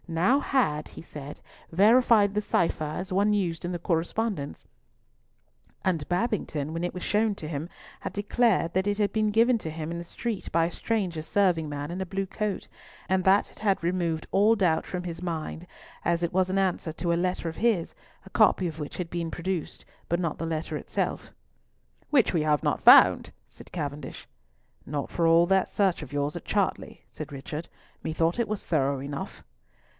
Nau had, he said, verified the cipher as one used in the correspondence, and Babington, when it was shown to him, had declared that it had been given to him in the street by a stranger serving man in a blue coat, and that it had removed all doubt from his mind, as it was an answer to a letter of his, a copy of which had been produced, but not the letter itself. "Which we have not found," said Cavendish. "Not for all that search of yours at Chartley?" said Richard. "Methought it was thorough enough!"